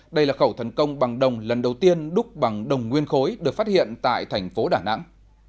đây là khẩu thần công bằng đồng lần đầu tiên đúc bằng đồng nguyên khối được phát hiện tại thành phố đà nẵng